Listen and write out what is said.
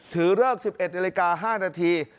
ถือเลิก๑๑นาฬิกา๕นาที